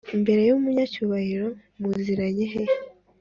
imbere y umunyacyubahiro muziranye he